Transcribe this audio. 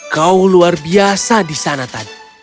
kau luar biasa di sana tan